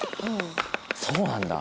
そうなんだ。